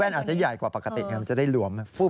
แว่นอาจจะใหญ่กว่าปกติมันจะได้หลวมมา